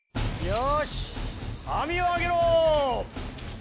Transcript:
よし網を上げろ！